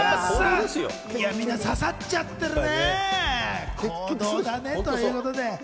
みんな、ささっちゃってるね。